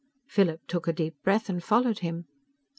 Philip took a deep breath, and followed him.